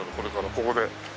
ここで。